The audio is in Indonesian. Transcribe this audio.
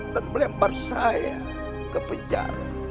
melempar saya ke penjara